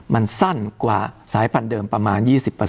มันสั้นกว่าสายพันธุเดิมประมาณ๒๐